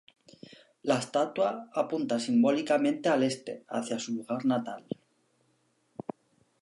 La estatua apunta simbólicamente al este hacia su lugar natal.